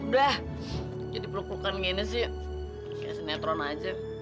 udah jadi peluk pelukan kayak gini sih kayak sinetron aja